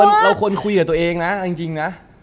เราควรคุยกับตัวเองนะเอาจริงนะ